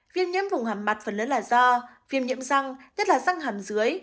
viêm nhiễm vùng hàm mặt phần lớn là do viêm nhiễm răng nhất là răng hàm dưới